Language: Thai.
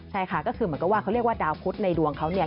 ใช่ค่ะก็คือเหมือนกับว่าเขาเรียกว่าดาวพุทธในดวงเขาเนี่ย